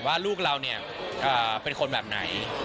ว่าลูกเราเป็นคนแบบไหน